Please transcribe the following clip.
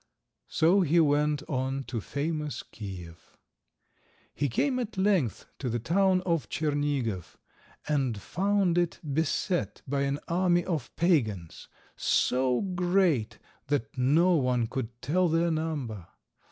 So he went on to famous Kiev. He came at length to the town of Tschernigof, and found it beset by an army of pagans, so great that no one could tell their number.